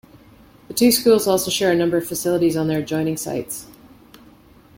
The two schools also share a number of facilities on their adjoining sites.